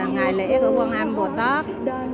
ngày lễ của quân âm bồ tát